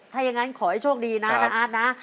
ถ้ายังงั้นขอให้โชคดีนะอาร์ตนะ